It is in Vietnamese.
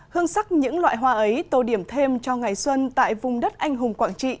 hương sắc những loại hoa ấy tô điểm thêm cho ngày xuân tại vùng đất anh hùng quảng trị